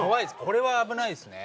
これは危ないっすね。